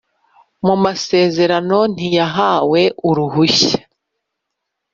Mu masezerano ntiyahawe uruhushya.